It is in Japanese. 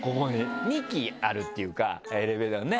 ２基あるっていうかエレベーターがね。